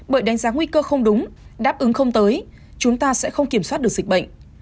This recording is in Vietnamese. bởi đánh giá nguy cơ không đúng đáp ứng không tới chúng ta sẽ không kiểm soát được dịch bệnh